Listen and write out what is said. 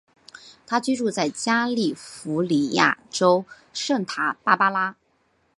他居住在加利福尼亚州圣塔芭芭拉。